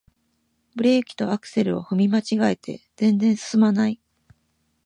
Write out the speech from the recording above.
ブレーキとアクセルを踏み間違えて全然すすまない